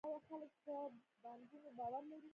آیا خلک په بانکونو باور لري؟